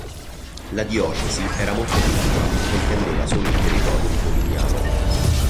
La diocesi era molto piccola e comprendeva solo il territorio di Polignano.